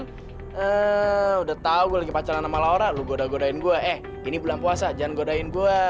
udah tau gue lagi pacaran sama laura lo goda godain gue eh ini bulan puasa jangan godain gue